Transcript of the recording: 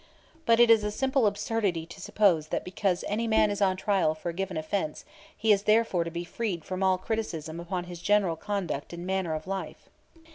But it is a simple absurdity to suppose that because any man is on trial for a given offense he is therefore to be freed from all criticism upon his general conduct and manner of life.